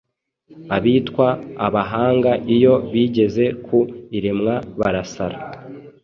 Abitwa abahanga iyo bigeze ku iremwa barasara